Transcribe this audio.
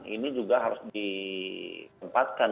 ini juga harus dikempatkan